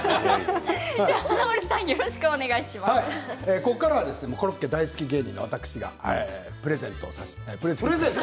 ここからはコロッケ大好き芸人の私がプレゼント。